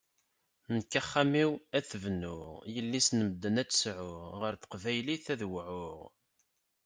Nekk axxam-iw ad t-bnuɣ, yelli-s n medden ad tt-sɛuɣ, ɣer teqbaylit ad wɛuɣ.